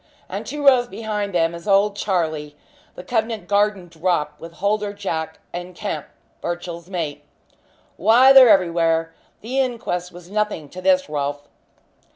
And two rows behind them is old Charlie, the Covent Garden 'drop,' with Holder Jack and Kemp, Birchill's mate. Why, they're everywhere. The inquest was nothing to this, Rolfe."